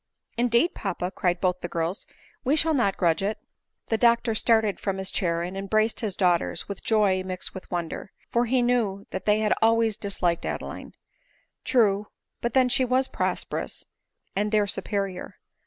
" Indeed, papa," cried both the girls, " we shall not grudge it." VV The doctor started from his chair and embraced his daughters with joy mixed with wonder; for he knew they had always disliked Adeline. *True; but then she was prosperous, and their superior.